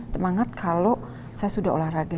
semangat kalau saya sudah olahraga